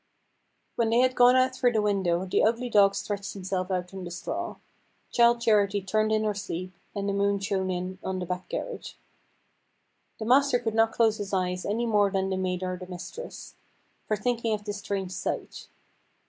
When they had gone out through the window the ugly dog stretched himself out on the straw, Childe Charity turned in her sleep, and the moon shone in on the back garret. The master could not close his eyes any more than the maid or the mistress, for thinking of this strange sight.